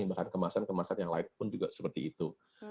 bahkan kemasan kemasan yang lain pun juga seperti itu